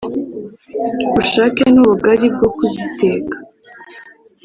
ushake n'ubugali bwo kuziteka